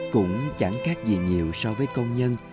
cũng chẳng khác gì nhiều so với công nhân